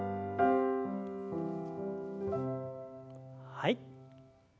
はい。